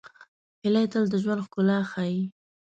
هیلۍ تل د ژوند ښکلا ښيي